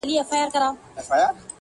و دربار ته یې حاضر کئ بېله ځنډه,